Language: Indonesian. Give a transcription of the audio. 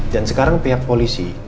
dan sekarang pihak polisi